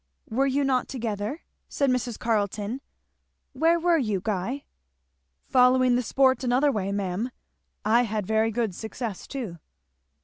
"Were you not together?" said Mrs. Carleton. "Where were you, Guy?" "Following the sport another way, ma'am; I had very good success too."